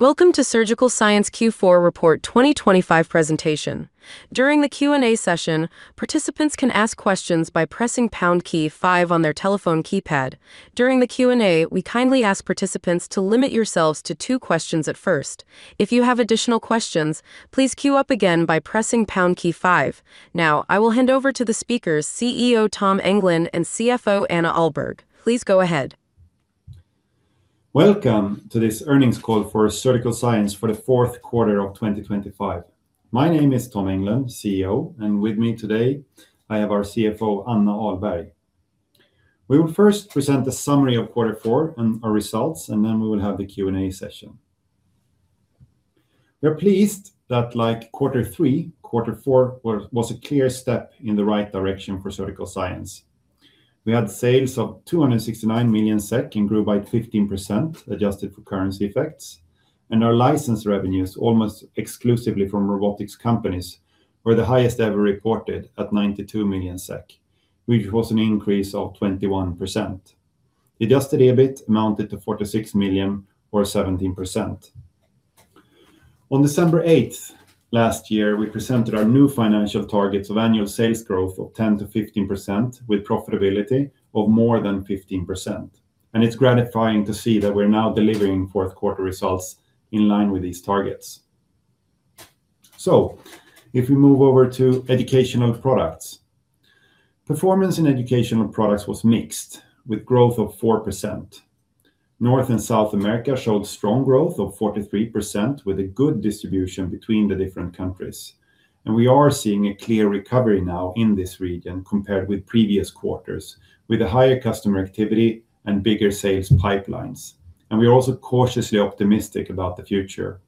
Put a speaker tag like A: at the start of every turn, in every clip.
A: Welcome to Surgical Science Q4 Report 2025 presentation. During the Q&A session, participants can ask questions by pressing pound key five on their telephone keypad. During the Q&A, we kindly ask participants to limit yourselves to two questions at first. If you have additional questions, please queue up again by pressing pound key five. Now, I will hand over to the speakers, CEO Tom Englund and CFO Anna Ahlberg. Please go ahead.
B: Welcome to this earnings call for Surgical Science for the fourth quarter of 2025. My name is Tom Englund, CEO, and with me today, I have our CFO, Anna Ahlberg. We will first present a summary of quarter four and our results, and then we will have the Q&A session. We are pleased that, like quarter three, quarter four was a clear step in the right direction for Surgical Science. We had sales of 269 million SEK and grew by 15%, adjusted for currency effects, and our license revenues, almost exclusively from robotics companies, were the highest ever recorded at 92 million SEK, which was an increase of 21%. Adjusted EBIT amounted to 46 million or 17%. On December 8th last year, we presented our new financial targets of annual sales growth of 10%-15%, with profitability of more than 15%, and it's gratifying to see that we're now delivering fourth quarter results in line with these targets. So if we move over to Educational Products, performance in Educational Products was mixed, with growth of 4%. North and South America showed strong growth of 43%, with a good distribution between the different countries. We are seeing a clear recovery now in this region compared with previous quarters, with a higher customer activity and bigger sales pipelines, and we are also cautiously optimistic about the future.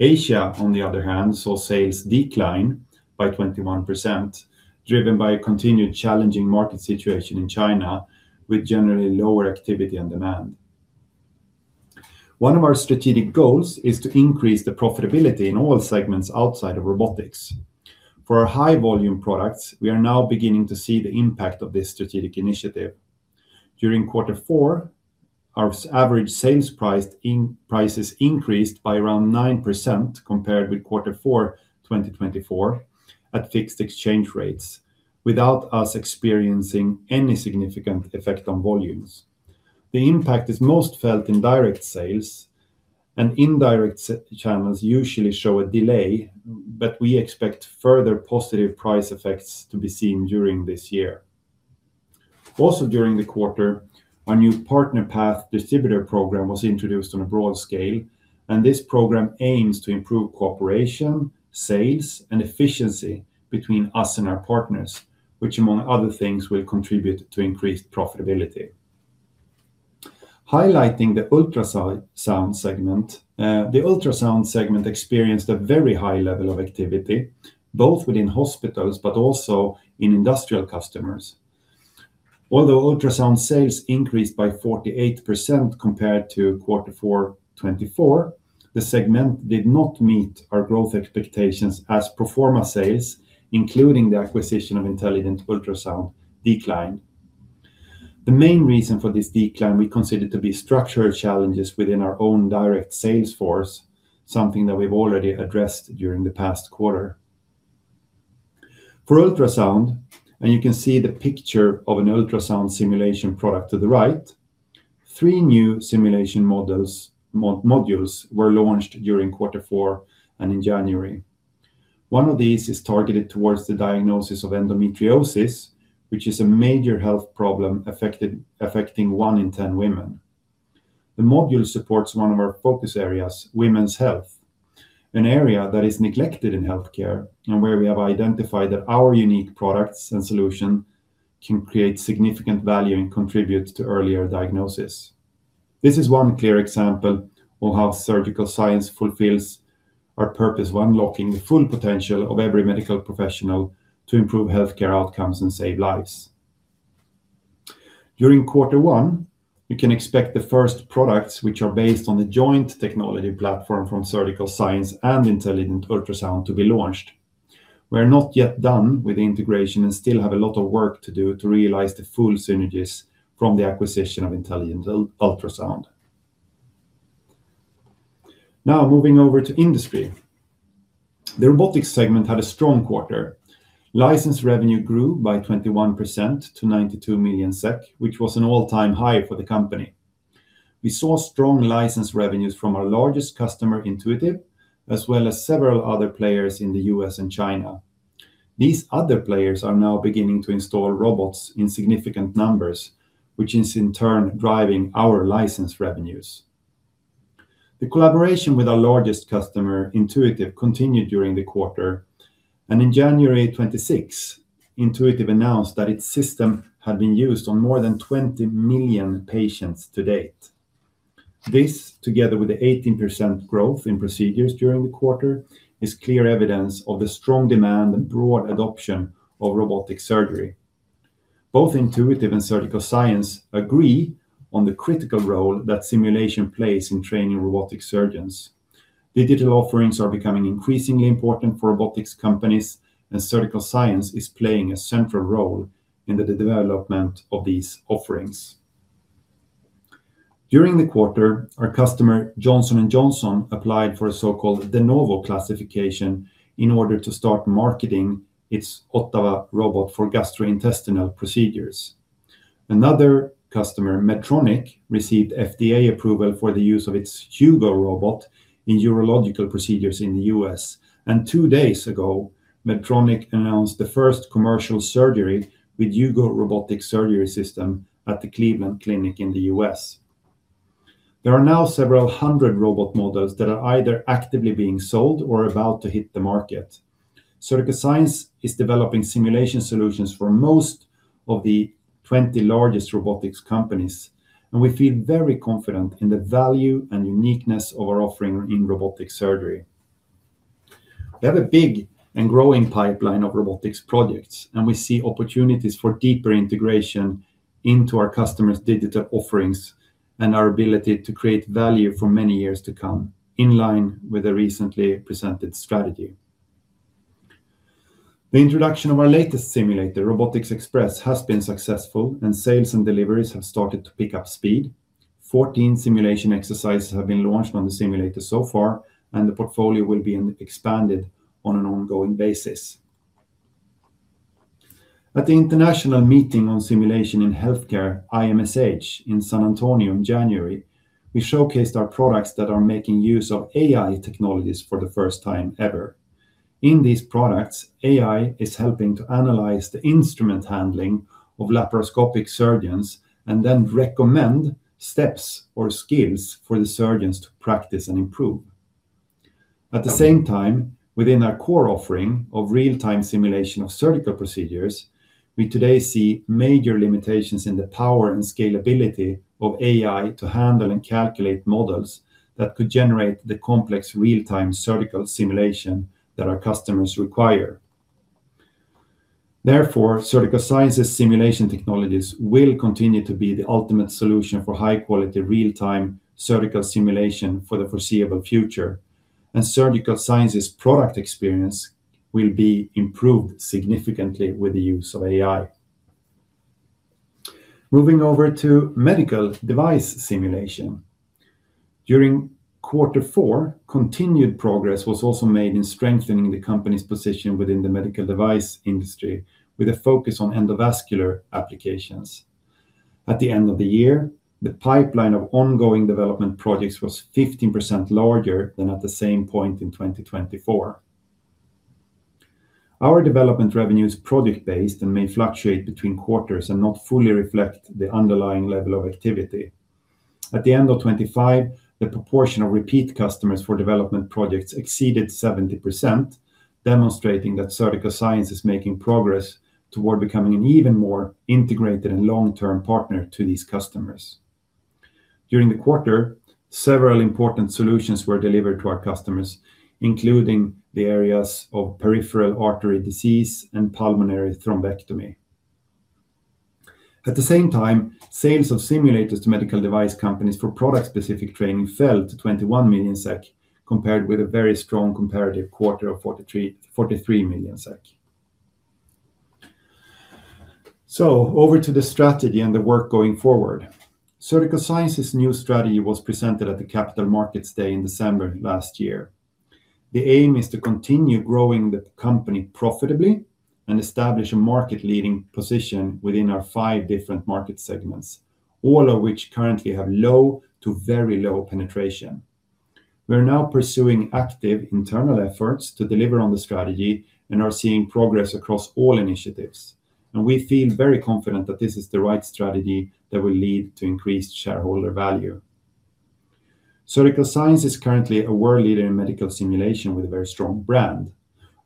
B: Asia, on the other hand, saw sales decline by 21%, driven by a continued challenging market situation in China, with generally lower activity and demand. One of our strategic goals is to increase the profitability in all segments outside of Robotics. For our high-volume products, we are now beginning to see the impact of this strategic initiative. During quarter four, our average sales prices increased by around 9% compared with quarter four, 2024, at fixed exchange rates, without us experiencing any significant effect on volumes. The impact is most felt in direct sales, and indirect channels usually show a delay, but we expect further positive price effects to be seen during this year. Also, during the quarter, our new PartnerPath distributor program was introduced on a broad scale, and this program aims to improve cooperation, sales, and efficiency between us and our partners, which, among other things, will contribute to increased profitability. Highlighting the Ultrasound segment, the Ultrasound segment experienced a very high level of activity, both within hospitals but also in industrial customers. Although Ultrasound sales increased by 48% compared to quarter four, 2024, the segment did not meet our growth expectations as pro forma sales, including the acquisition of Intelligent Ultrasound, declined. The main reason for this decline we consider to be structural challenges within our own direct sales force, something that we've already addressed during the past quarter. For Ultrasound, and you can see the picture of an ultrasound simulation product to the right, 3 new simulation modules were launched during quarter four and in January. One of these is targeted towards the diagnosis of endometriosis, which is a major health problem affecting 1 in 10 women. The module supports one of our focus areas, women's health, an area that is neglected in healthcare and where we have identified that our unique products and solution can create significant value and contribute to earlier diagnosis. This is one clear example of how Surgical Science fulfills our purpose of unlocking the full potential of every medical professional to improve healthcare outcomes and save lives. During quarter one, you can expect the first products, which are based on the joint technology platform from Surgical Science and Intelligent Ultrasound, to be launched. We are not yet done with the integration and still have a lot of work to do to realize the full synergies from the acquisition of Intelligent Ultrasound. Now, moving over to industry. The Robotics segment had a strong quarter. License revenue grew by 21% to 92 million SEK, which was an all-time high for the company. We saw strong license revenues from our largest customer, Intuitive, as well as several other players in the U.S. and China. These other players are now beginning to install robots in significant numbers, which is, in turn, driving our license revenues. The collaboration with our largest customer, Intuitive, continued during the quarter, and in January 2026, Intuitive announced that its system had been used on more than 20 million patients to date. This, together with the 18% growth in procedures during the quarter, is clear evidence of the strong demand and broad adoption of robotic surgery. Both Intuitive and Surgical Science agree on the critical role that simulation plays in training robotic surgeons. Digital offerings are becoming increasingly important for robotics companies, and Surgical Science is playing a central role in the development of these offerings. During the quarter, our customer, Johnson & Johnson, applied for a so-called De Novo classification in order to start marketing its Ottava robot for gastrointestinal procedures. Another customer, Medtronic, received FDA approval for the use of its Hugo robot in urological procedures in the U.S. Two days ago, Medtronic announced the first commercial surgery with Hugo robotic surgery system at the Cleveland Clinic in the U.S. There are now several hundred robot models that are either actively being sold or about to hit the market. Surgical Science is developing simulation solutions for most of the 20 largest robotics companies, and we feel very confident in the value and uniqueness of our offering in robotic surgery. We have a big and growing pipeline of robotics projects, and we see opportunities for deeper integration into our customers' digital offerings and our ability to create value for many years to come, in line with the recently presented strategy. The introduction of our latest simulator, RobotiX Express, has been successful, and sales and deliveries have started to pick up speed. 14 simulation exercises have been launched on the simulator so far, and the portfolio will be expanded on an ongoing basis. At the International Meeting on Simulation in Healthcare, IMSH, in San Antonio in January, we showcased our products that are making use of AI technologies for the first time ever. In these products, AI is helping to analyze the instrument handling of laparoscopic surgeons and then recommend steps or skills for the surgeons to practice and improve. At the same time, within our core offering of real-time simulation of surgical procedures, we today see major limitations in the power and scalability of AI to handle and calculate models that could generate the complex real-time surgical simulation that our customers require. Therefore, Surgical Science's simulation technologies will continue to be the ultimate solution for high-quality, real-time surgical simulation for the foreseeable future, and Surgical Science's product experience will be improved significantly with the use of AI. Moving over to Medical Device simulation. During quarter four, continued progress was also made in strengthening the company's position within the medical device industry, with a focus on endovascular applications. At the end of the year, the pipeline of ongoing development projects was 15% larger than at the same point in 2024. Our development revenue is project-based and may fluctuate between quarters and not fully reflect the underlying level of activity. At the end of 2025, the proportion of repeat customers for development projects exceeded 70%, demonstrating that Surgical Science is making progress toward becoming an even more integrated and long-term partner to these customers. During the quarter, several important solutions were delivered to our customers, including the areas of peripheral artery disease and pulmonary thrombectomy. At the same time, sales of simulators to medical device companies for product-specific training fell to 21 million SEK, compared with a very strong comparative quarter of 43 million SEK. Over to the strategy and the work going forward. Surgical Science's new strategy was presented at the Capital Markets Day in December last year. The aim is to continue growing the company profitably and establish a market-leading position within our five different market segments, all of which currently have low to very low penetration. We are now pursuing active internal efforts to deliver on the strategy and are seeing progress across all initiatives, and we feel very confident that this is the right strategy that will lead to increased shareholder value. Surgical Science is currently a world leader in medical simulation with a very strong brand.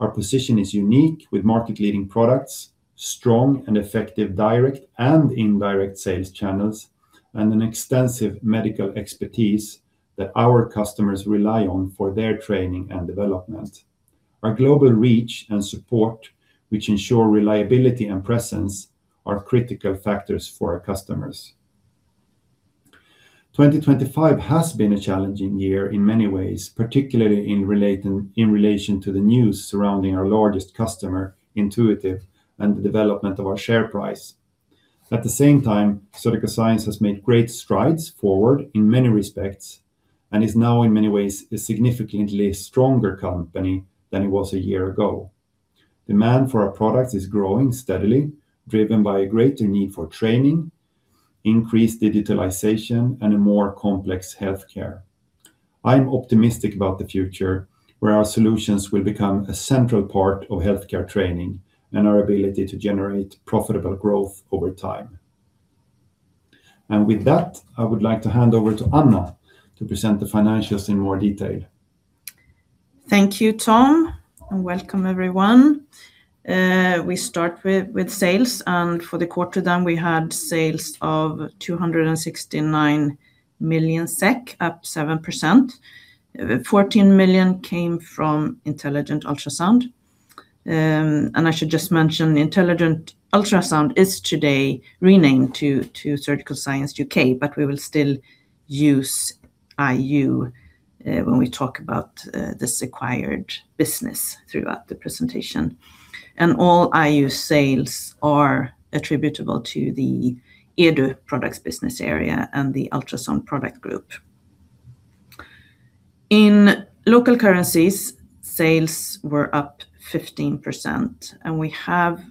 B: Our position is unique, with market-leading products, strong and effective direct and indirect sales channels, and an extensive medical expertise that our customers rely on for their training and development. Our global reach and support, which ensure reliability and presence, are critical factors for our customers. 2025 has been a challenging year in many ways, particularly in relation to the news surrounding our largest customer, Intuitive, and the development of our share price. At the same time, Surgical Science has made great strides forward in many respects and is now, in many ways, a significantly stronger company than it was a year ago. Demand for our products is growing steadily, driven by a greater need for training, increased digitalization, and a more complex healthcare. I'm optimistic about the future, where our solutions will become a central part of healthcare training and our ability to generate profitable growth over time. And with that, I would like to hand over to Anna to present the financials in more detail.
C: Thank you, Tom, and welcome, everyone. We start with sales, and for the quarter then, we had sales of 269 million SEK, up 7%. 14 million came from Intelligent Ultrasound. And I should just mention, Intelligent Ultrasound is today renamed to Surgical Science U.K., but we will still use IU when we talk about this acquired business throughout the presentation. All IU sales are attributable to the EDU products business area and the ultrasound product group. In local currencies, sales were up 15%, and we have,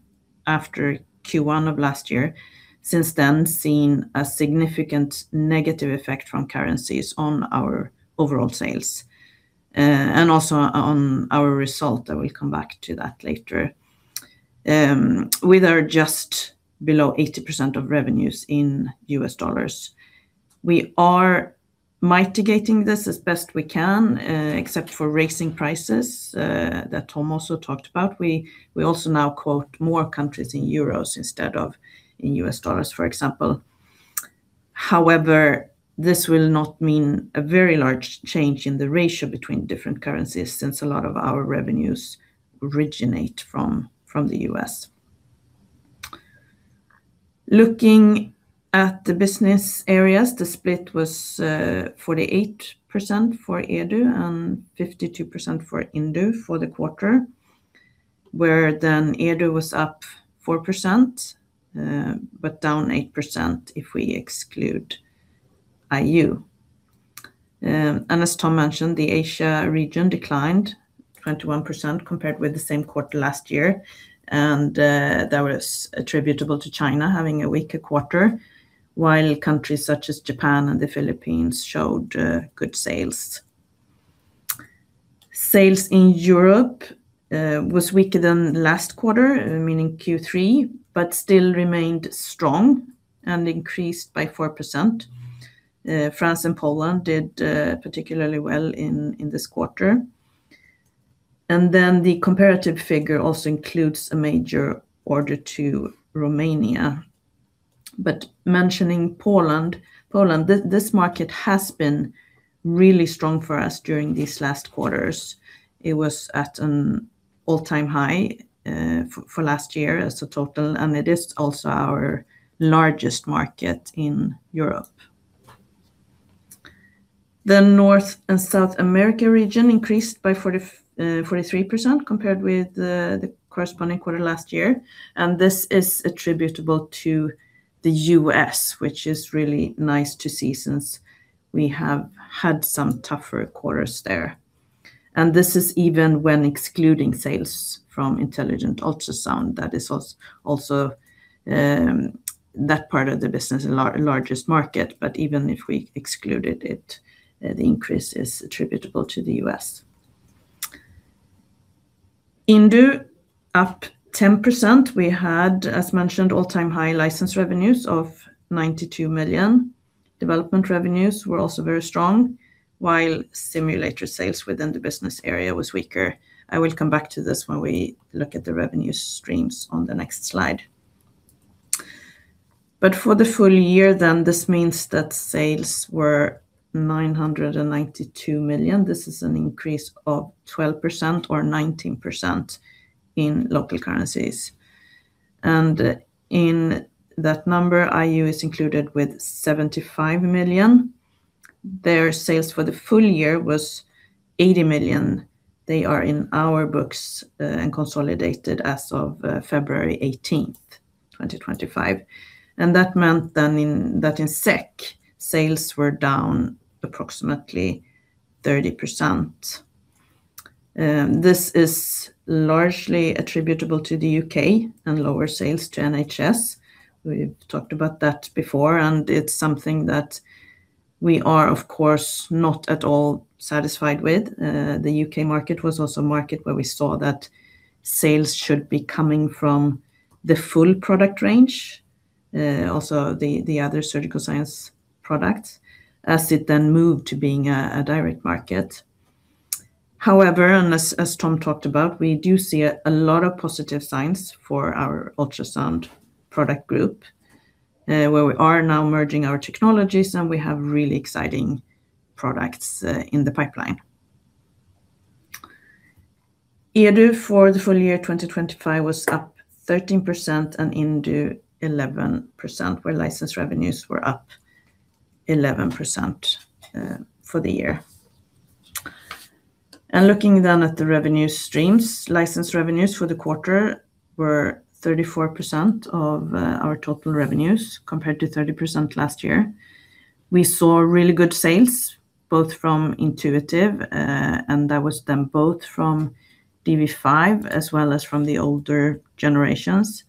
C: after Q1 of last year, since then seen a significant negative effect from currencies on our overall sales and also on our result. I will come back to that later. With our just below 80% of revenues in U.S. dollars, we are mitigating this as best we can, except for raising prices, that Tom also talked about. We also now quote more countries in euros instead of in U.S. dollars, for example. However, this will not mean a very large change in the ratio between different currencies, since a lot of our revenues originate from the U.S. Looking at the business areas, the split was 48% for EDU and 52% for INDU for the quarter, where then EDU was up 4%, but down 8% if we exclude IU. And as Tom mentioned, the Asia region declined 21% compared with the same quarter last year, and that was attributable to China having a weaker quarter, while countries such as Japan and the Philippines showed good sales. Sales in Europe was weaker than last quarter, meaning Q3, but still remained strong and increased by 4%. France and Poland did particularly well in this quarter. And then the comparative figure also includes a major order to Romania. But mentioning Poland, Poland, this market has been really strong for us during these last quarters. It was at an all-time high for last year as a total, and it is also our largest market in Europe. The North and South America region increased by 43% compared with the corresponding quarter last year, and this is attributable to the U.S., which is really nice to see since we have had some tougher quarters there. And this is even when excluding sales from Intelligent Ultrasound. That is also that part of the business, our largest market, but even if we excluded it, the increase is attributable to the US. INDU, up 10%. We had, as mentioned, all-time high license revenues of 92 million. Development revenues were also very strong, while simulator sales within the business area was weaker. I will come back to this when we look at the revenue streams on the next slide. But for the full year, then this means that sales were 992 million. This is an increase of 12% or 19% in local currencies. And in that number, IU is included with 75 million. Their sales for the full year was 80 million. They are in our books, and consolidated as of February 18th, 2025. And that meant then in, that in SEK, sales were down approximately 30%. This is largely attributable to the U.K. and lower sales to NHS. We've talked about that before, and it's something that we are, of course, not at all satisfied with. The U.K. market was also a market where we saw that sales should be coming from the full product range, also the, the other Surgical Science products, as it then moved to being a, a direct market. However, as Tom talked about, we do see a lot of positive signs for our ultrasound product group, where we are now merging our technologies, and we have really exciting products in the pipeline. EDU, for the full year 2025, was up 13%, and INDU 11%, where license revenues were up 11% for the year. And looking then at the revenue streams, license revenues for the quarter were 34% of our total revenues, compared to 30% last year. We saw really good sales, both from Intuitive, and that was then both from dV5 as well as from the older generations,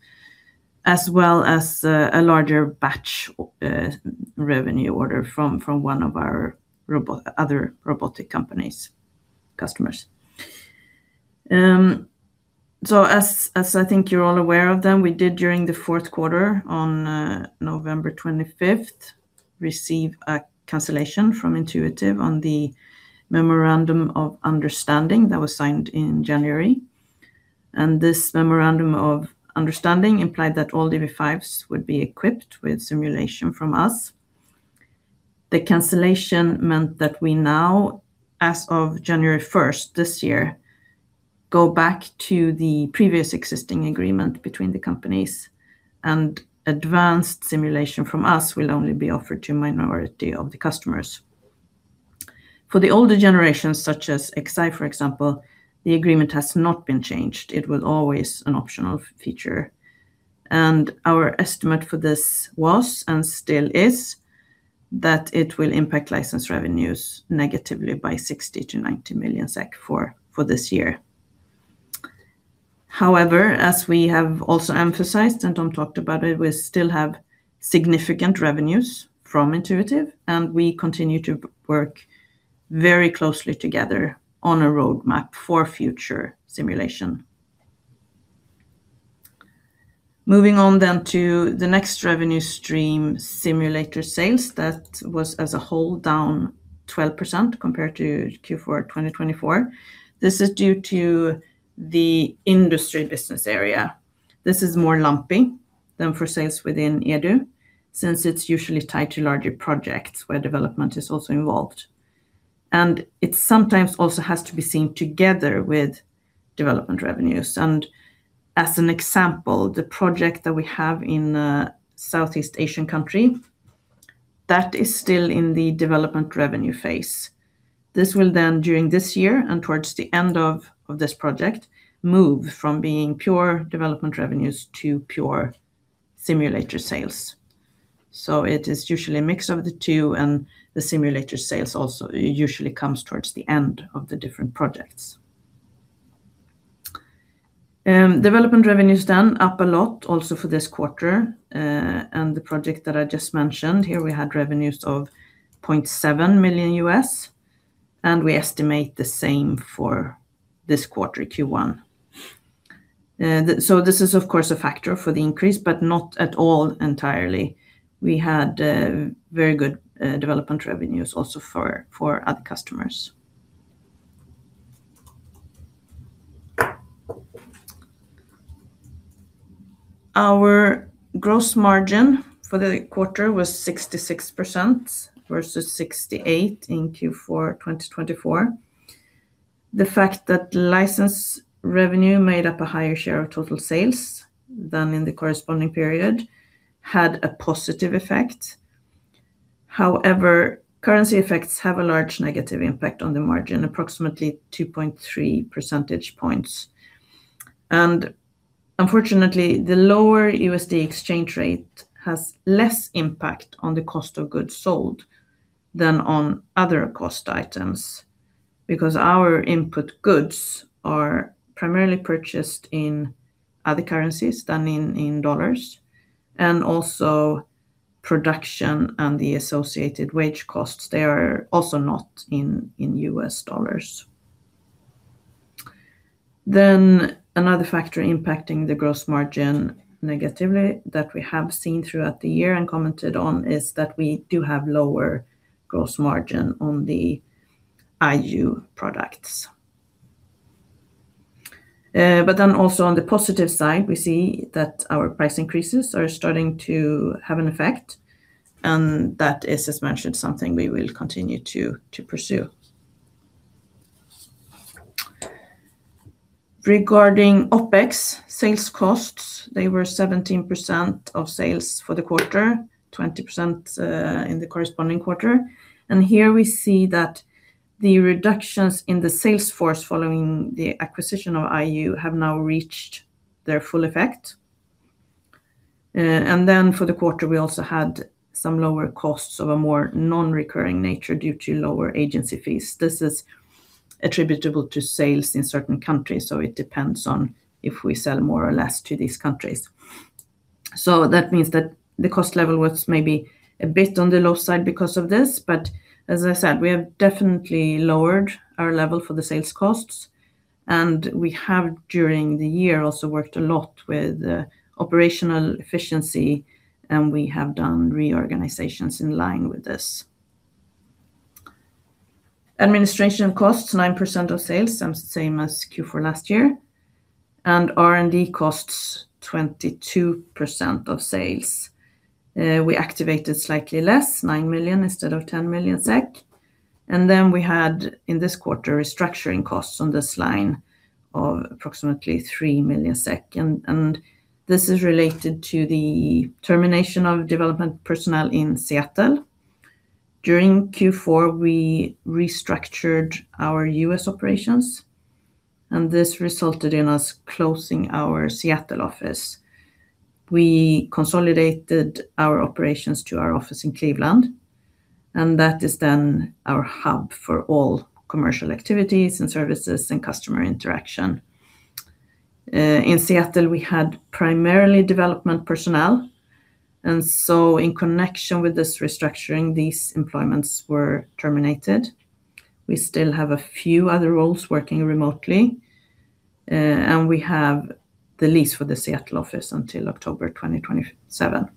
C: as well as a larger batch revenue order from one of our other robotic companies-customers. So, as I think you're all aware of them, we did, during the fourth quarter on November 25th, receive a cancellation from Intuitive on the memorandum of understanding that was signed in January, and this memorandum of understanding implied that all dV5s would be equipped with simulation from us. The cancellation meant that we now, as of January 1st this year, go back to the previous existing agreement between the companies, and advanced simulation from us will only be offered to a minority of the customers. For the older generations, such as Xi, for example, the agreement has not been changed. It was always an optional feature, and our estimate for this was, and still is, that it will impact license revenues negatively by 60 million-90 million SEK for this year. However, as we have also emphasized and Tom talked about it, we still have significant revenues from Intuitive, and we continue to work very closely together on a roadmap for future simulation. Moving on then to the next revenue stream, simulator sales. That was as a whole, down 12% compared to Q4 2024. This is due to the industry business area. This is more lumpy than for sales within EDU, since it's usually tied to larger projects where development is also involved. And it sometimes also has to be seen together with development revenues. And as an example, the project that we have in a Southeast Asian country, that is still in the development revenue phase. This will then, during this year and towards the end of this project, move from being pure development revenues to pure simulator sales. So it is usually a mix of the two, and the simulator sales also usually comes towards the end of the different projects. Development revenues, then, up a lot also for this quarter, and the project that I just mentioned, here we had revenues of $0.7 million, and we estimate the same for this quarter, Q1. So this is, of course, a factor for the increase, but not at all entirely. We had very good development revenues also for other customers. Our gross margin for the quarter was 66% versus 68% in Q4 2024. The fact that license revenue made up a higher share of total sales than in the corresponding period had a positive effect. However, currency effects have a large negative impact on the margin, approximately 2.3 percentage points. Unfortunately, the lower USD exchange rate has less impact on the cost of goods sold than on other cost items, because our input goods are primarily purchased in other currencies than in dollars, and also production and the associated wage costs, they are also not in U.S. dollars. Then another factor impacting the gross margin negatively that we have seen throughout the year and commented on, is that we do have lower gross margin on the IU products. But then also on the positive side, we see that our price increases are starting to have an effect, and that is, as mentioned, something we will continue to pursue. Regarding OpEx sales costs, they were 17% of sales for the quarter, 20% in the corresponding quarter. And here we see that the reductions in the sales force following the acquisition of IU have now reached their full effect. Then for the quarter, we also had some lower costs of a more non-recurring nature due to lower agency fees. This is attributable to sales in certain countries, so it depends on if we sell more or less to these countries. So that means that the cost level was maybe a bit on the low side because of this, but as I said, we have definitely lowered our level for the sales costs, and we have, during the year, also worked a lot with operational efficiency, and we have done reorganizations in line with this. Administration costs, 9% of sales, same, same as Q4 last year, and R&D costs, 22% of sales. We activated slightly less, 9 million instead of 10 million SEK, and then we had, in this quarter, restructuring costs on this line of approximately 3 million SEK. And this is related to the termination of development personnel in Seattle. During Q4, we restructured our U.S. operations, and this resulted in us closing our Seattle office. We consolidated our operations to our office in Cleveland, and that is then our hub for all commercial activities and services and customer interaction. In Seattle, we had primarily development personnel, and so in connection with this restructuring, these employments were terminated. We still have a few other roles working remotely, and we have the lease for the Seattle office until October 2027.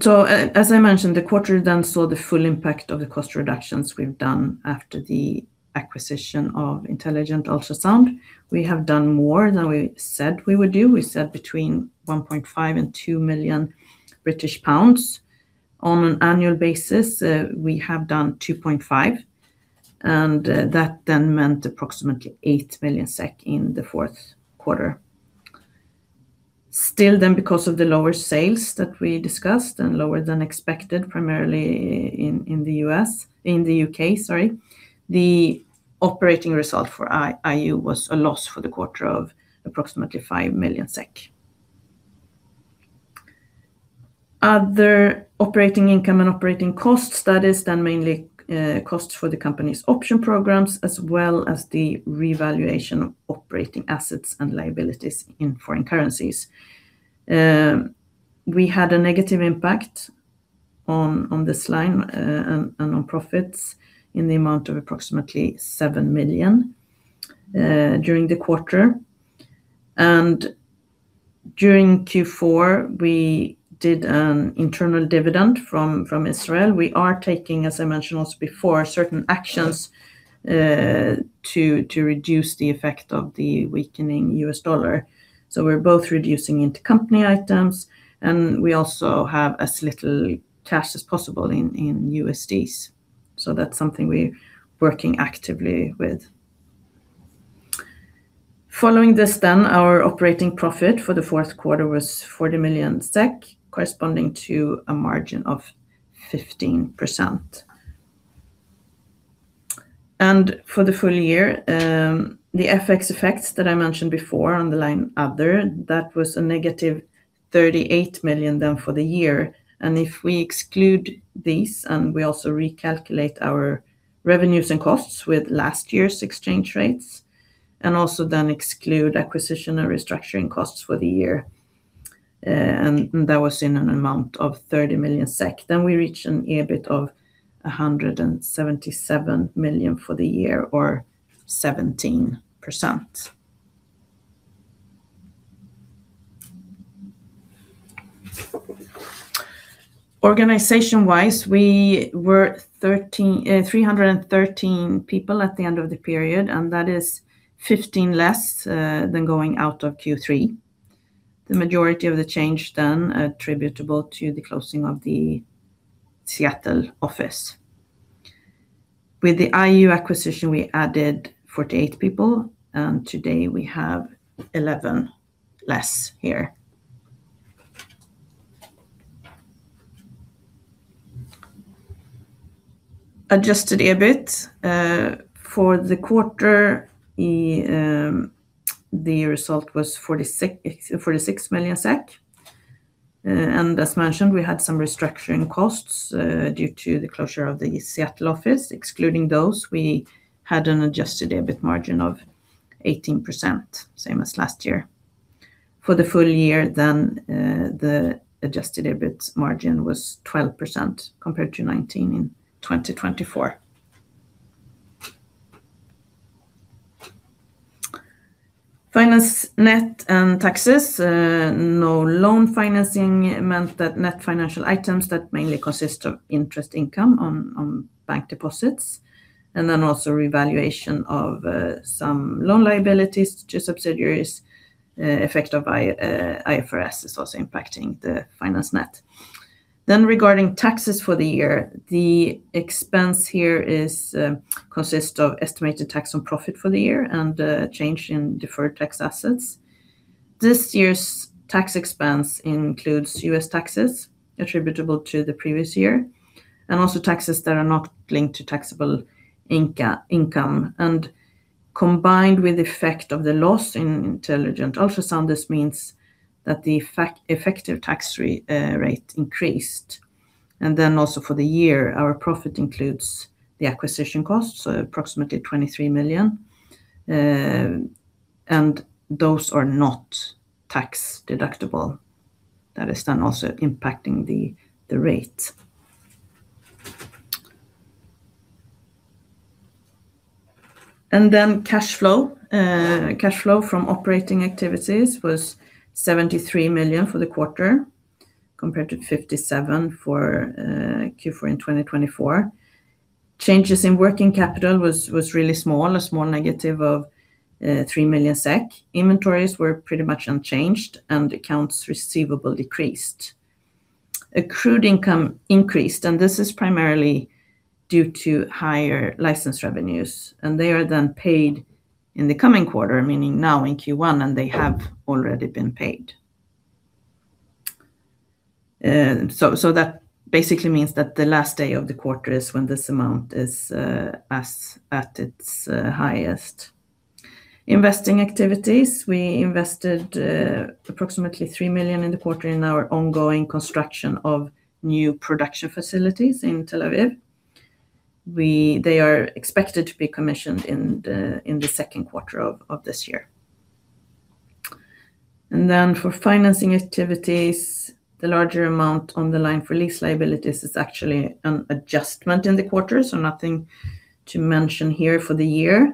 C: So as I mentioned, the quarter then saw the full impact of the cost reductions we've done after the acquisition of Intelligent Ultrasound. We have done more than we said we would do. We said between 1.5 million and 2 million British pounds. On an annual basis, we have done 2.5 million, and that then meant approximately 8 million SEK in the fourth quarter. Still then, because of the lower sales that we discussed, and lower than expected, primarily in the U.S., in the U.K., sorry, the operating result for IU was a loss for the quarter of approximately 5 million SEK. Other operating income and operating costs, that is then mainly costs for the company's option programs, as well as the revaluation of operating assets and liabilities in foreign currencies. We had a negative impact on this line, and on profits in the amount of approximately 7 million during the quarter. During Q4, we did an internal dividend from, from Israel. We are taking, as I mentioned also before, certain actions, to, to reduce the effect of the weakening U.S. dollar. So we're both reducing intercompany items, and we also have as little cash as possible in, in USDs. So that's something we're working actively with. Following this then, our operating profit for the fourth quarter was 40 million SEK, corresponding to a margin of 15%. For the full year, the FX effects that I mentioned before on the line, Other, that was a -38 million then for the year. If we exclude these, and we also recalculate our revenues and costs with last year's exchange rates, and also then exclude acquisition and restructuring costs for the year, and that was in an amount of 30 million SEK, then we reach an EBIT of 177 million for the year, or 17%. Organization-wise, we were 313 people at the end of the period, and that is 15 less than going out of Q3. The majority of the change then attributable to the closing of the Seattle office. With the IU acquisition, we added 48 people, and today we have 11 less here. Adjusted EBIT for the quarter, the result was 46 million SEK. And as mentioned, we had some restructuring costs due to the closure of the Seattle office. Excluding those, we had an Adjusted EBIT margin of 18%, same as last year. For the full year, then, the Adjusted EBIT margin was 12%, compared to 19% in 2024. Finance net and taxes, no loan financing meant that net financial items that mainly consist of interest income on bank deposits, and then also revaluation of some loan liabilities to subsidiaries, effect of IFRS is also impacting the finance net. Then regarding taxes for the year, the expense here consists of estimated tax on profit for the year and change in deferred tax assets. This year's tax expense includes U.S. taxes attributable to the previous year, and also taxes that are not linked to taxable income. Combined with the effect of the loss in Intelligent Ultrasound, this means that the effective tax rate increased. Then also for the year, our profit includes the acquisition costs, so approximately 23 million, and those are not tax-deductible. That is then also impacting the rate. Then cash flow. Cash flow from operating activities was 73 million for the quarter, compared to 57 million for Q4 in 2024. Changes in working capital was really small, a small -3 million SEK. Inventories were pretty much unchanged, and accounts receivable decreased. Accrued income increased, and this is primarily due to higher license revenues, and they are then paid in the coming quarter, meaning now in Q1, and they have already been paid. So that basically means that the last day of the quarter is when this amount is as at its highest. Investing activities, we invested approximately 3 million in the quarter in our ongoing construction of new production facilities in Tel Aviv. They are expected to be commissioned in the second quarter of this year. And then for financing activities, the larger amount on the line for lease liabilities is actually an adjustment in the quarter, so nothing to mention here for the year.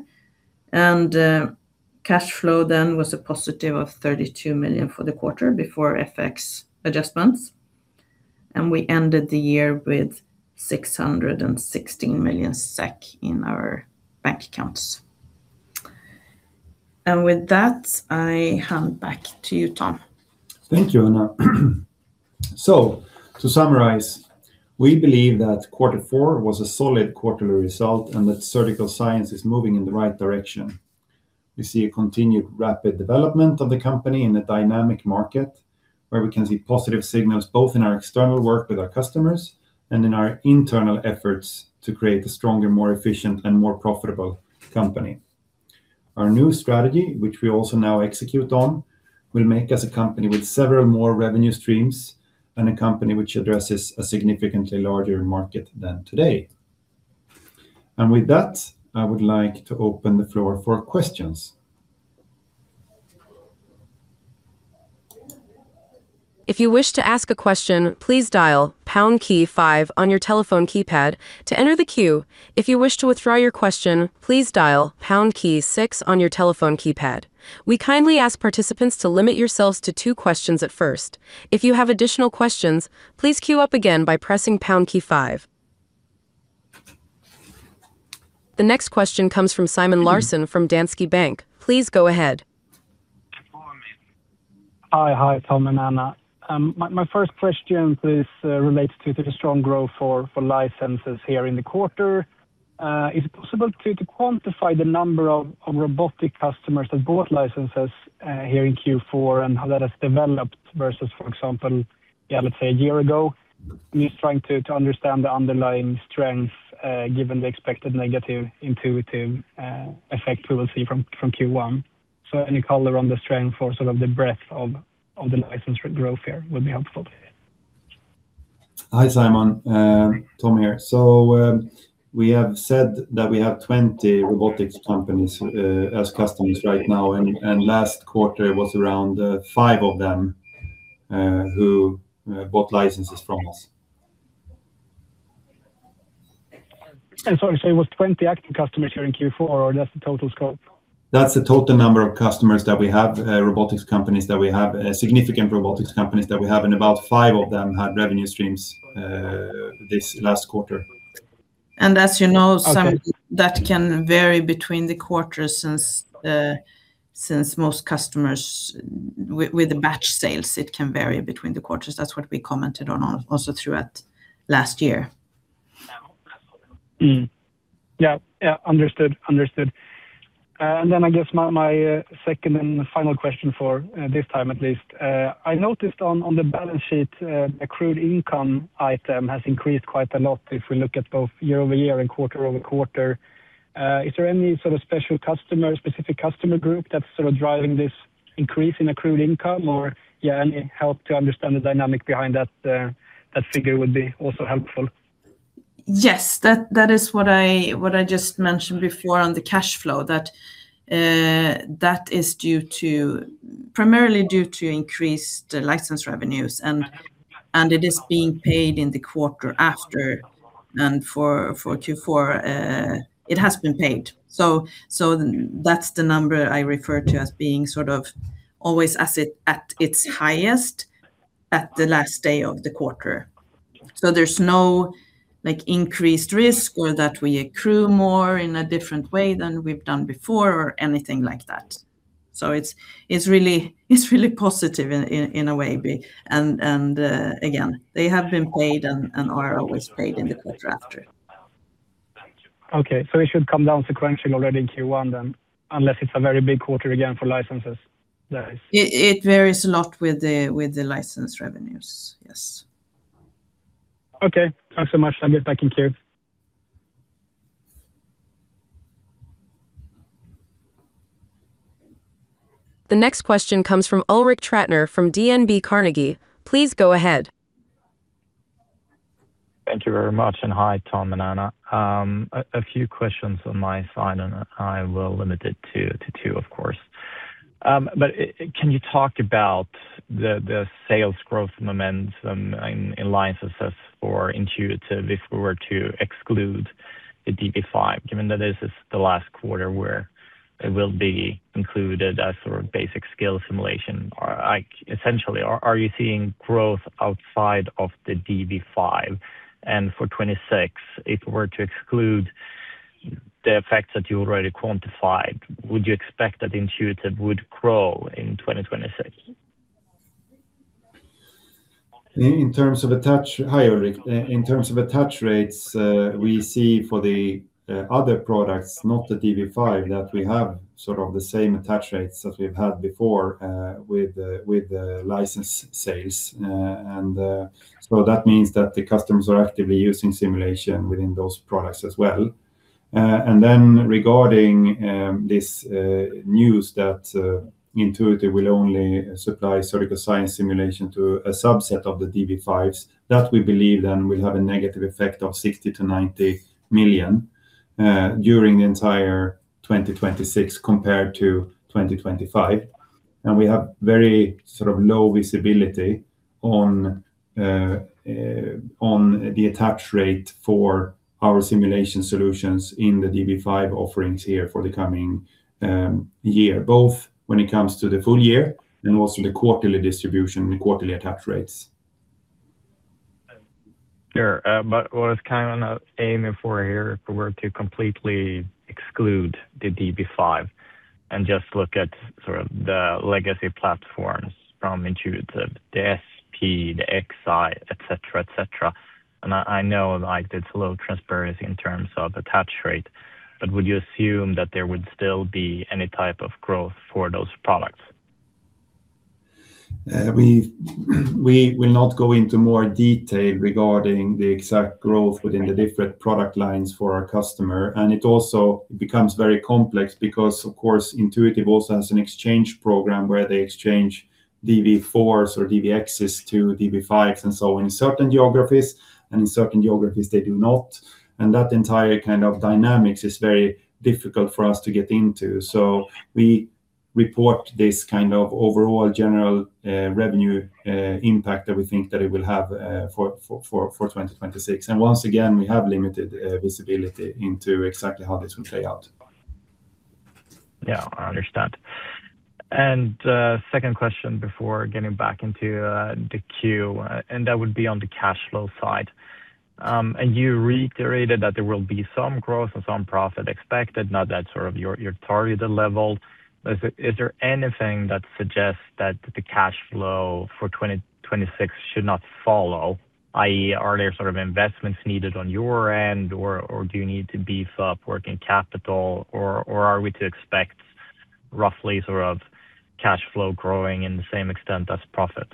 C: And cash flow then was a +32 million for the quarter before FX adjustments, and we ended the year with 616 million SEK in our bank accounts. And with that, I hand back to you, Tom.
B: Thank you, Anna. So to summarize, we believe that quarter four was a solid quarterly result, and that Surgical Science is moving in the right direction. We see a continued rapid development of the company in a dynamic market, where we can see positive signals, both in our external work with our customers and in our internal efforts to create a stronger, more efficient, and more profitable company. Our new strategy, which we also now execute on, will make us a company with several more revenue streams and a company which addresses a significantly larger market than today. And with that, I would like to open the floor for questions.
A: If you wish to ask a question, please dial pound key five on your telephone keypad to enter the queue. If you wish to withdraw your question, please dial pound key six on your telephone keypad. We kindly ask participants to limit yourselves to two questions at first. If you have additional questions, please queue up again by pressing pound key five. The next question comes from Simon Larsson from Danske Bank. Please go ahead.
D: Hi. Hi, Tom and Anna. My first question is related to the strong growth for licenses here in the quarter. Is it possible to quantify the number of robotic customers that bought licenses here in Q4 and how that has developed versus, for example, let's say a year ago? Just trying to understand the underlying strength, given the expected negative Intuitive effect we will see from Q1. So any color around the strength for sort of the breadth of the license growth here would be helpful?
B: Hi, Simon, Tom here. So, we have said that we have 20 robotics companies as customers right now, and, and last quarter was around 5 of them who bought licenses from us.
D: Sorry, so it was 20 active customers here in Q4, or that's the total scope?
B: That's the total number of customers that we have, robotics companies that we have, significant robotics companies that we have, and about five of them had revenue streams this last quarter.
C: And as you know, some-
D: Okay.
C: That can vary between the quarters since most customers with the batch sales, it can vary between the quarters. That's what we commented on also throughout last year.
D: Mm. Yeah. Yeah, understood. Understood. And then I guess my, second and final question for this time at least, I noticed on the balance sheet, accrued income item has increased quite a lot if we look at both year-over-year and quarter-over-quarter. Is there any sort of special customer, specific customer group that's sort of driving this increase in accrued income? Or, yeah, any help to understand the dynamic behind that, that figure would be also helpful?
C: Yes. That is what I just mentioned before on the cash flow, that is due to primarily due to increased license revenues, and it is being paid in the quarter after. And for Q4, it has been paid. So that's the number I refer to as being sort of always at its highest at the last day of the quarter. So there's no, like, increased risk or that we accrue more in a different way than we've done before or anything like that. So it's really positive in a way, be. And again, they have been paid and are always paid in the quarter after.
D: Okay. So it should come down sequentially already in Q1 then, unless it's a very big quarter again for licenses, that is.
C: It varies a lot with the license revenues. Yes.
D: Okay. Thanks so much. I'll get back in queue.
A: The next question comes from Ulrik Trattner from DNB Carnegie. Please go ahead.
E: Thank you very much, and hi, Tom and Anna. A few questions on my side, and I will limit it to two, of course. But can you talk about the sales growth momentum in licenses for Intuitive if we were to exclude the dV5, given that this is the last quarter where it will be included as sort of basic skill simulation? Or, like, essentially, are you seeing growth outside of the dV5? And for 2026, if we were to exclude the effects that you already quantified, would you expect that Intuitive would grow in 2026?
B: Hi, Ulrik. In terms of attach rates, we see for the other products, not the dV5, that we have sort of the same attach rates as we've had before with the license sales. And so that means that the customers are actively using simulation within those products as well. And then regarding this news that Intuitive will only supply Surgical Science simulation to a subset of the dV5s, that we believe then will have a negative effect of 60-90 million during the entire 2026 compared to 2025.We have very sort of low visibility on the attach rate for our simulation solutions in the da Vinci 5 offerings here for the coming year, both when it comes to the full year and also the quarterly distribution, the quarterly attach rates....
E: Sure, but what is kind of aiming for here if we were to completely exclude the dV5 and just look at sort of the legacy platforms from Intuitive, the SP, the XI, et cetera, et cetera. And I know, like, it's low transparency in terms of attach rate, but would you assume that there would still be any type of growth for those products?
B: We will not go into more detail regarding the exact growth within the different product lines for our customer. It also becomes very complex because, of course, Intuitive also has an exchange program where they exchange dV4s or dVXs to dV5s, and so on in certain geographies, and in certain geographies, they do not. That entire kind of dynamics is very difficult for us to get into. We report this kind of overall general revenue impact that we think that it will have for 2026. Once again, we have limited visibility into exactly how this will play out.
E: Yeah, I understand. And, second question before getting back into, the queue, and that would be on the cash flow side. And you reiterated that there will be some growth and some profit expected, not that sort of your, your targeted level. Is there, is there anything that suggests that the cash flow for 2026 should not follow, i.e., are there sort of investments needed on your end, or, or do you need to beef up working capital, or, or are we to expect roughly sort of cash flow growing in the same extent as profits?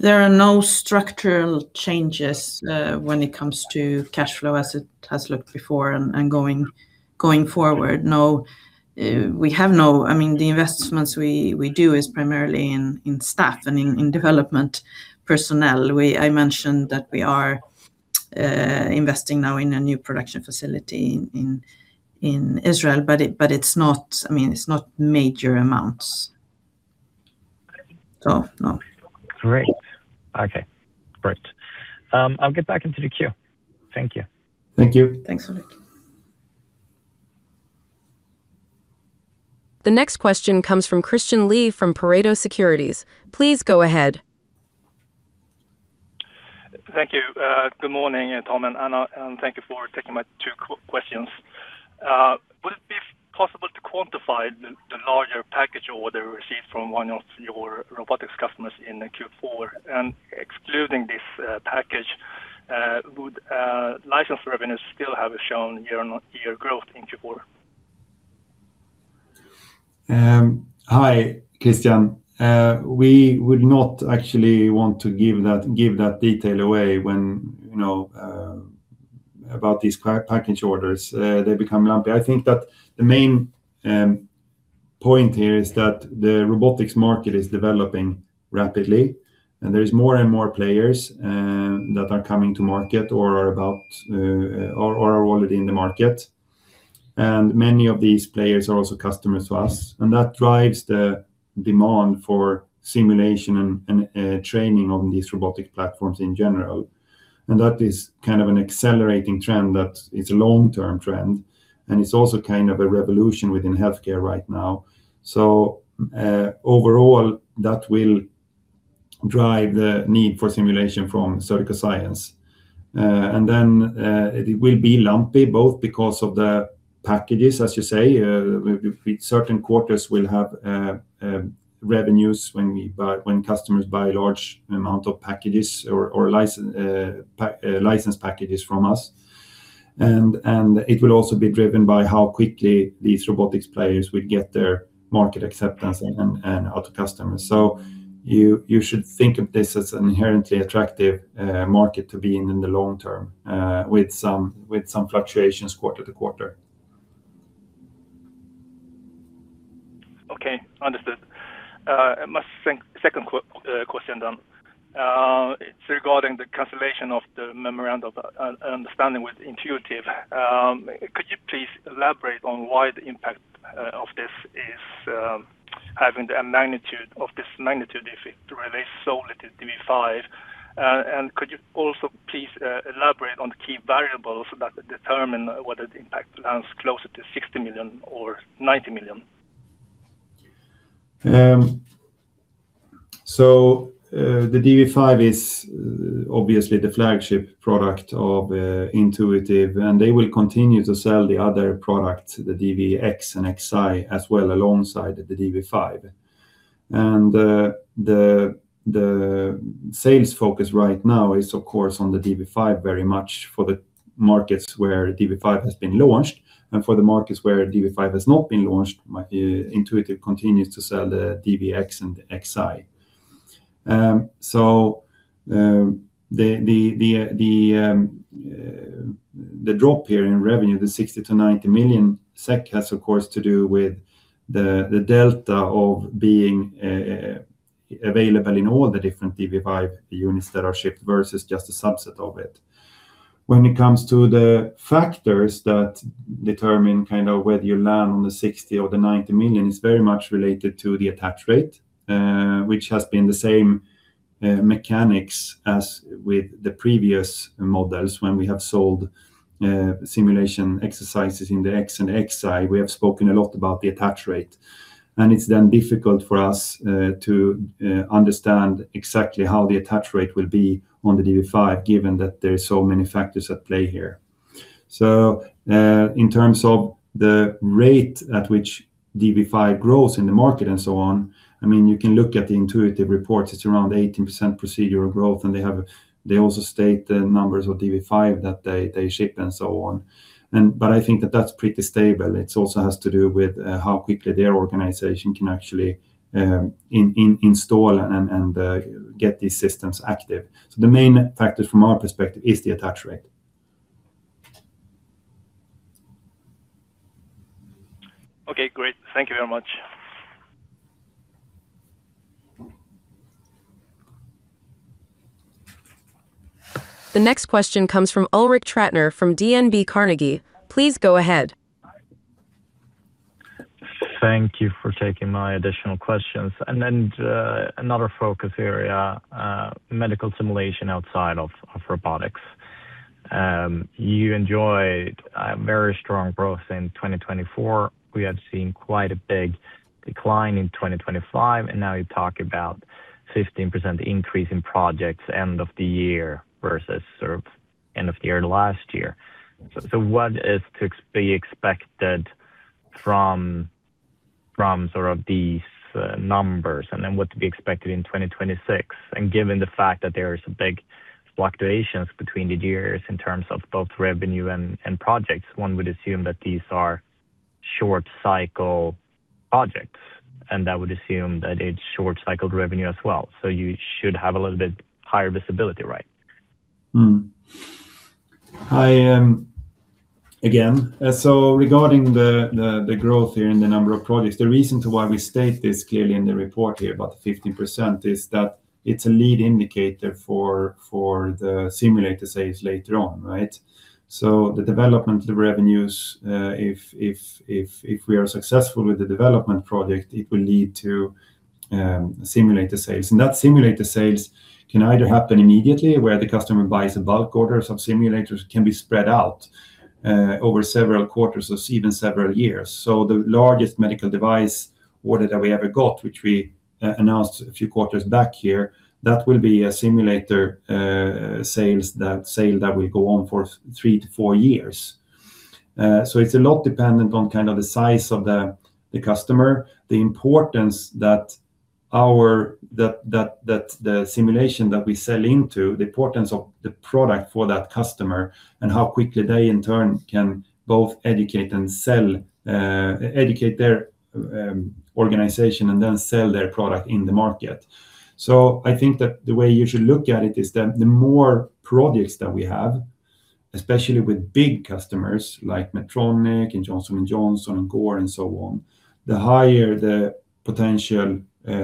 C: There are no structural changes when it comes to cash flow as it has looked before and going forward. No, we have no—I mean, the investments we do is primarily in staff and in development personnel. We—I mentioned that we are investing now in a new production facility in Israel, but it's not, I mean, it's not major amounts. So no.
E: Great. Okay, great. I'll get back into the queue. Thank you.
B: Thank you.
C: Thanks a lot.
A: The next question comes from Christian Lee from Pareto Securities. Please go ahead.
F: Thank you. Good morning, Tom and Anna, and thank you for taking my two questions. Would it be possible to quantify the larger package order received from one of your robotics customers in Q4? And excluding this package, would license revenues still have shown year-on-year growth in Q4?
B: Hi, Christian. We would not actually want to give that, give that detail away when, you know, about these package orders, they become lumpy. I think that the main point here is that the robotics market is developing rapidly, and there is more and more players that are coming to market or are already in the market. And many of these players are also customers to us, and that drives the demand for simulation and training on these robotic platforms in general. And that is kind of an accelerating trend, that it's a long-term trend, and it's also kind of a revolution within healthcare right now. So, overall, that will drive the need for simulation from Surgical Science. And then, it will be lumpy, both because of the packages, as you say, with certain quarters will have, revenues when we buy—when customers buy a large amount of packages or license packages from us. And it will also be driven by how quickly these robotics players will get their market acceptance and out to customers. So you should think of this as an inherently attractive market to be in, in the long term, with some fluctuations quarter to quarter.
F: Okay, understood. My second question, then. It's regarding the cancellation of the memorandum understanding with Intuitive. Could you please elaborate on why the impact of this is having the magnitude of this magnitude, if it really sold it to dV5? And could you also please elaborate on the key variables that determine whether the impact lands closer to 60 million or 90 million?
B: The dV5 is obviously the flagship product of Intuitive, and they will continue to sell the other products, the DVX and XI, as well alongside the dV5. The sales focus right now is, of course, on the dV5, very much for the markets where dV5 has been launched, and for the markets where dV5 has not been launched, Intuitive continues to sell the dVX and Xi. The drop here in revenue, the 60-90 million SEK, has, of course, to do with the delta of being available in all the different dV5 units that are shipped versus just a subset of it. When it comes to the factors that determine kind of whether you land on the 60 million or the 90 million, is very much related to the attach rate, which has been the same, mechanics as with the previous models when we have sold, simulation exercises in the X and XI. We have spoken a lot about the attach rate, and it's then difficult for us, to understand exactly how the attach rate will be on the dV5, given that there are so many factors at play here. So, in terms of the rate at which dV5 grows in the market and so on, I mean, you can look at the Intuitive reports. It's around 18% procedural growth, and they also state the numbers of dV5 that they ship and so on. But I think that that's pretty stable. It's also has to do with how quickly their organization can actually install and get these systems active. So the main factor from our perspective is the attach rate.
F: Okay, great. Thank you very much.
A: The next question comes from Ulrik Trattner from DNB Carnegie. Please go ahead.
E: Thank you for taking my additional questions. Then, another focus area, medical simulation outside of Robotics. You enjoyed a very strong growth in 2024. We had seen quite a big decline in 2025, and now you talk about 15% increase in projects end of the year versus sort of end of the year last year. So what is to be expected from sort of these numbers, and then what to be expected in 2026? And given the fact that there is a big fluctuations between the years in terms of both revenue and projects, one would assume that these are short-cycle projects, and I would assume that it's short-cycled revenue as well. So you should have a little bit higher visibility, right?
B: I again so regarding the growth here in the number of projects, the reason to why we state this clearly in the report here, about 15%, is that it's a lead indicator for the simulator sales later on, right? So the development, the revenues, if we are successful with the development project, it will lead to simulator sales. And that simulator sales can either happen immediately, where the customer buys a bulk order of simulators, can be spread out over several quarters or even several years. So the largest medical device order that we ever got, which we announced a few quarters back here, that will be a simulator sales that sale that will go on for 3 years-4 years. So it's a lot dependent on kind of the size of the customer, the importance that the simulation that we sell into, the importance of the product for that customer and how quickly they, in turn, can both educate their organization and then sell their product in the market. So I think that the way you should look at it is that the more projects that we have, especially with big customers like Medtronic and Johnson & Johnson, and Gore and so on, the higher the potential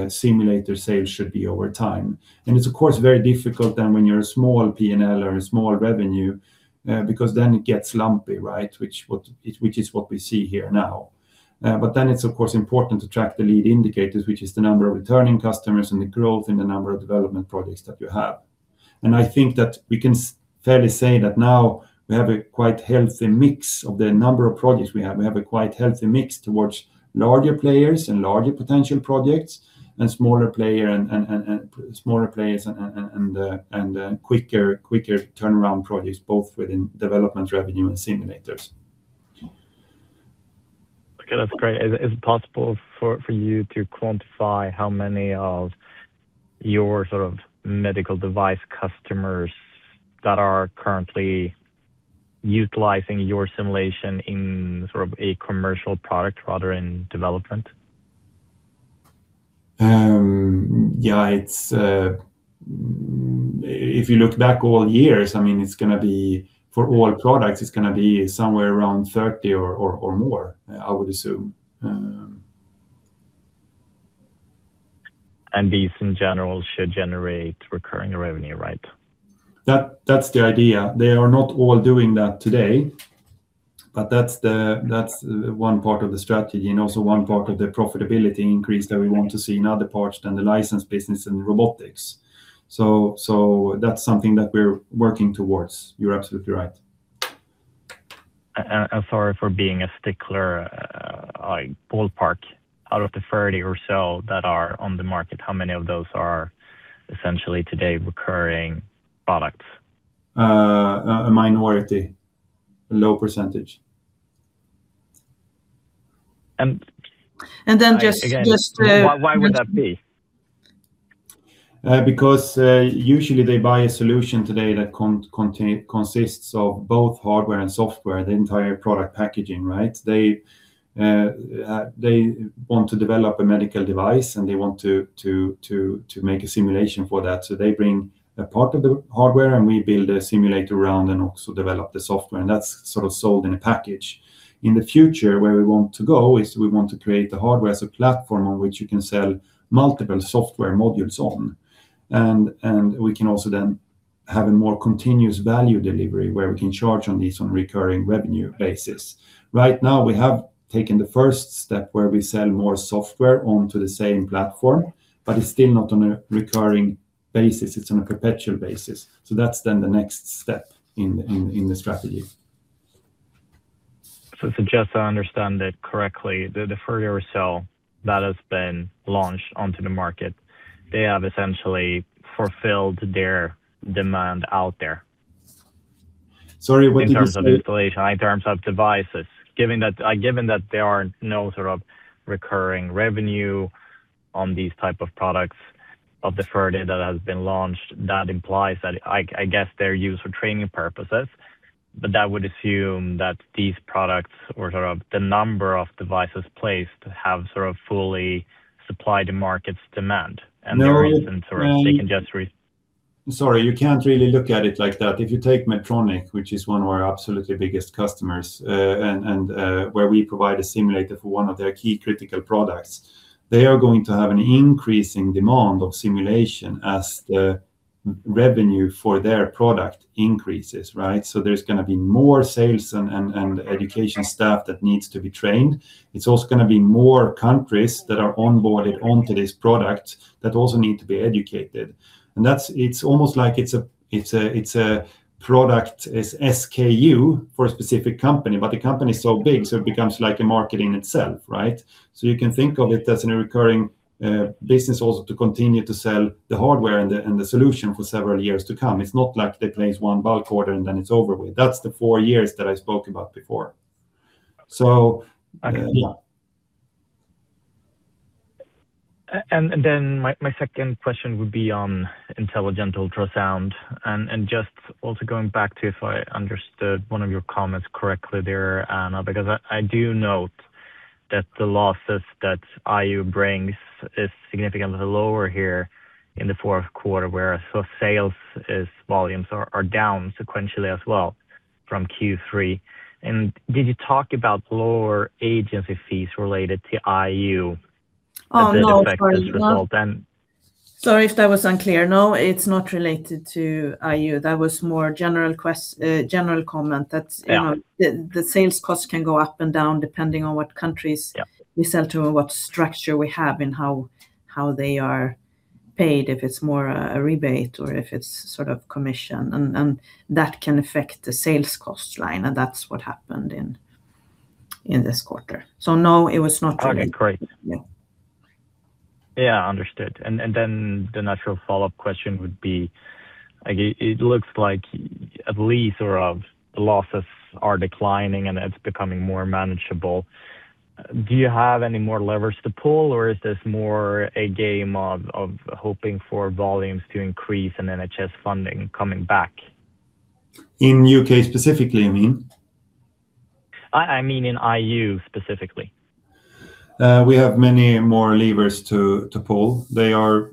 B: simulator sales should be over time. And it's of course very difficult when you're a small PNL or a small revenue, because then it gets lumpy, right? Which is what we see here now. But then it's of course important to track the lead indicators, which is the number of returning customers and the growth in the number of development projects that you have. And I think that we can fairly say that now we have a quite healthy mix of the number of projects we have. We have a quite healthy mix towards larger players and larger potential projects, and smaller players and quicker turnaround projects, both within development, revenue, and simulators.
E: Okay, that's great. Is it possible for you to quantify how many of your sort of medical device customers that are currently utilizing your simulation in sort of a commercial product rather in development?
B: Yeah, it's if you look back all years, I mean, it's gonna be for all products, it's gonna be somewhere around 30 or more, I would assume.
E: These, in general, should generate recurring revenue, right?
B: That, that's the idea. They are not all doing that today, but that's the, that's one part of the strategy and also one part of the profitability increase that we want to see in other parts than the license business and Robotics. So, so that's something that we're working towards. You're absolutely right.
E: Sorry for being a stickler, like ballpark, out of the 30 or so that are on the market, how many of those are essentially today recurring products?
B: A minority, a low percentage.
E: And-
C: And then just
E: Again, why, why would that be?
B: Because usually they buy a solution today that consists of both hardware and software, the entire product packaging, right? They want to develop a medical device, and they want to make a simulation for that. So they bring a part of the hardware, and we build a simulator around and also develop the software, and that's sort of sold in a package. In the future, where we want to go is we want to create the hardware as a platform on which you can sell multiple software modules on. And we can also then have a more continuous value delivery, where we can charge on these on recurring revenue basis. Right now, we have taken the first step where we sell more software onto the same platform, but it's still not on a recurring basis, it's on a perpetual basis. So that's then the next step in the strategy.
E: So just to understand that correctly, the virtual reality (VR) sim that has been launched onto the market, they have essentially fulfilled their demand out there?
B: Sorry, what did you say?
E: In terms of installation, in terms of devices. Given that there are no sort of recurring revenue on these type of products of the VR that has been launched, that implies that I guess they're used for training purposes. But that would assume that these products or sort of the number of devices placed have sort of fully supplied the market's demand, and there isn't sort of?
B: No.
E: They can just re-
B: Sorry, you can't really look at it like that. If you take Medtronic, which is one of our absolutely biggest customers, and where we provide a simulator for one of their key critical products, they are going to have an increasing demand of simulation as the revenue for their product increases, right? So there's gonna be more sales and education staff that needs to be trained. It's also gonna be more countries that are onboarded onto this product that also need to be educated. And that's it almost like it's a product, SKU for a specific company, but the company is so big, so it becomes like a market in itself, right? So you can think of it as a recurring business also to continue to sell the hardware and the solution for several years to come. It's not like they place one bulk order, and then it's over with. That's the four years that I spoke about before. So, yeah.
E: And then my second question would be on Intelligent Ultrasound. And just also going back to if I understood one of your comments correctly there, Anna, because I do note that the losses that IU brings is significantly lower here in the fourth quarter, where so sales is, volumes are down sequentially as well from Q3. And did you talk about lower agency fees related to IU-
C: Oh, no, sorry.
E: As a result, then?
C: Sorry if that was unclear. No, it's not related to IU. That was more general comment. That's-
E: Yeah
C: -you know, the sales cost can go up and down depending on what countries-
E: Yeah
C: -we sell to, or what structure we have and how they are paid, if it's more a rebate or if it's sort of commission. And that can affect the sales cost line, and that's what happened in this quarter. So no, it was not related.
E: Okay, great.
C: Yeah.
E: Yeah, understood. And then the natural follow-up question would be, like, it looks like at least sort of the losses are declining, and it's becoming more manageable. Do you have any more levers to pull, or is this more a game of hoping for volumes to increase and NHS funding coming back?
B: In U.K. specifically, you mean?
E: I mean in IU specifically.
B: We have many more levers to pull. There are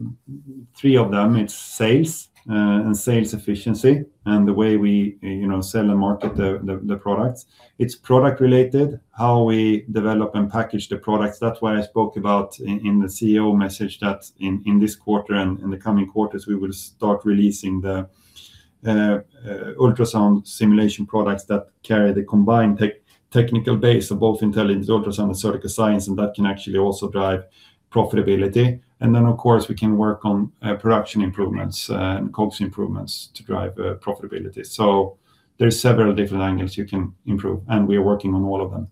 B: three of them. It's sales and sales efficiency, and the way we, you know, sell and market the products. It's product related, how we develop and package the products. That's why I spoke about in the CEO message that in this quarter and in the coming quarters, we will start releasing the ultrasound simulation products that carry the combined technical base of both Intelligent Ultrasound and Surgical Science, and that can actually also drive profitability. And then, of course, we can work on production improvements and COGS improvements to drive profitability. So there are several different angles you can improve, and we are working on all of them.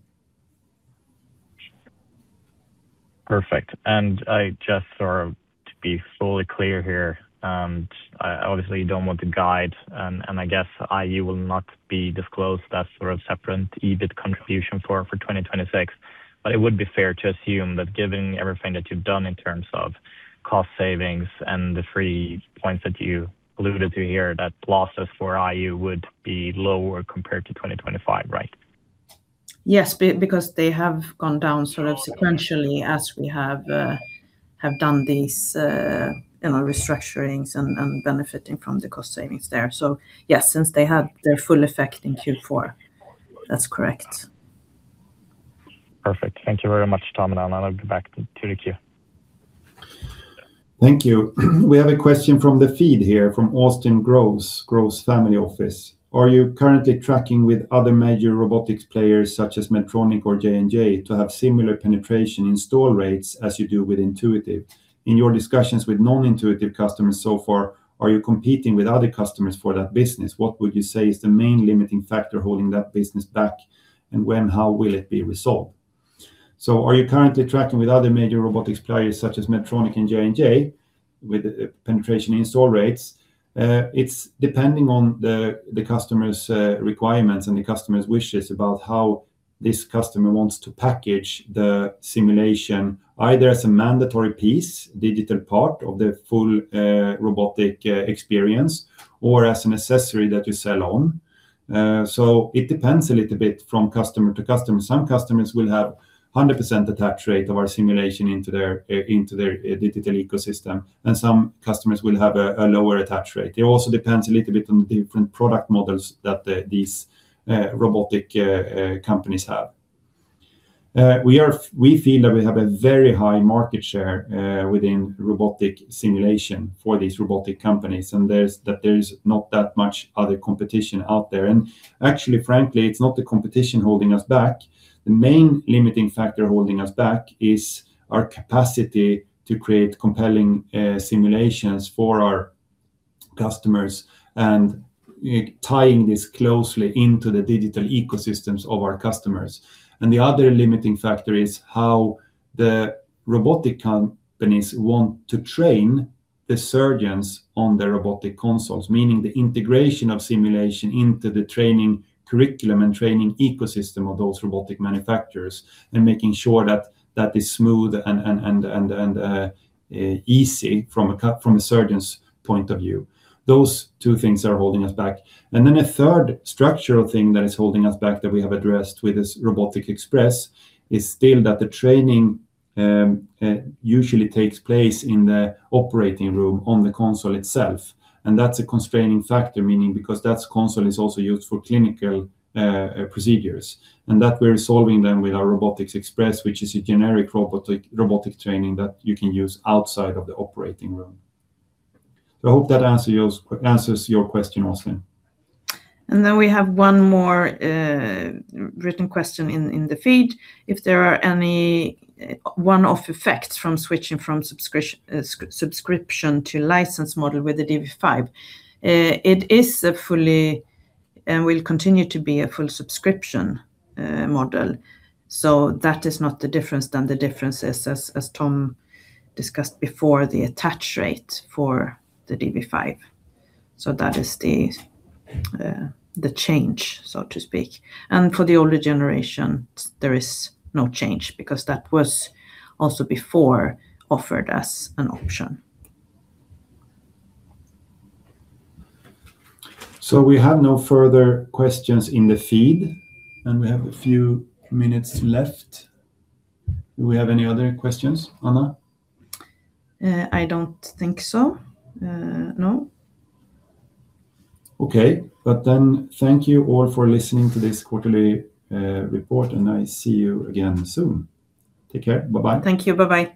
E: Perfect. And I just sort of to be fully clear here, I obviously don't want to guide, and I guess IU will not be disclosed as sort of separate EBIT contribution for 2026. But it would be fair to assume that given everything that you've done in terms of cost savings and the three points that you alluded to here, that losses for IU would be lower compared to 2025, right?
C: Yes, because they have gone down sort of sequentially as we have done these, you know, restructurings and benefiting from the cost savings there. So yes, since they had their full effect in Q4, that's correct.
E: Perfect. Thank you very much, Tom and Anna. I'll get back to the queue.
B: Thank you. We have a question from the feed here, from Austin Groves, Groves Family Office. "Are you currently tracking with other major robotics players, such as Medtronic or J&J, to have similar penetration install rates as you do with Intuitive? In your discussions with non-Intuitive customers so far, are you competing with other customers for that business? What would you say is the main limiting factor holding that business back, and when, how will it be resolved?" So are you currently tracking with other major robotics players such as Medtronic and J&J, with penetration install rates? It's depending on the customer's requirements and the customer's wishes about how this customer wants to package the simulation, either as a mandatory piece, digital part of the full robotic experience, or as an accessory that we sell on. So it depends a little bit from customer to customer. Some customers will have 100% attach rate of our simulation into their digital ecosystem, and some customers will have a lower attach rate. It also depends a little bit on the different product models that these robotic companies have. We feel that we have a very high market share within robotic simulation for these robotic companies, and there is not that much other competition out there. And actually, frankly, it's not the competition holding us back. The main limiting factor holding us back is our capacity to create compelling simulations for our customers and tying this closely into the digital ecosystems of our customers. The other limiting factor is how the robotic companies want to train the surgeons on the robotic consoles, meaning the integration of simulation into the training curriculum and training ecosystem of those robotic manufacturers, and making sure that that is smooth and easy from a surgeon's point of view. Those two things are holding us back. Then a third structural thing that is holding us back, that we have addressed with this RobotiX Express, is still that the training usually takes place in the operating room on the console itself, and that's a constraining factor, meaning because that console is also used for clinical procedures. And that we're solving then with our RobotiX Express, which is a generic robotic training that you can use outside of the operating room. I hope that answers your question, Austin.
C: And then we have one more written question in the feed. If there are any one-off effects from switching from subscription, subscription to license model with the dV5? It is a fully, and will continue to be, a full subscription model, so that is not the difference. Then the difference is, as Tom discussed before, the attach rate for the dV5. So that is the change, so to speak. And for the older generation, there is no change because that was also before offered as an option.
B: We have no further questions in the feed, and we have a few minutes left. Do we have any other questions, Anna?
C: I don't think so. No.
B: Okay. Thank you all for listening to this quarterly report, and I see you again soon. Take care. Bye-bye.
C: Thank you. Bye-bye.